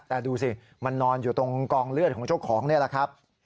แต่ดูสิมันนอนอยู่ตรงกองเลือดของเจ้าของนี่แหละครับ